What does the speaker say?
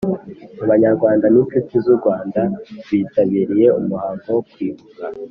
Abanyarwanda n’inshuti z’u Rwanda bitabiriye umuhango wo kwibuka